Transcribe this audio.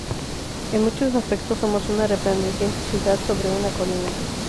En muchos aspectos somos una resplandeciente ciudad sobre una colina.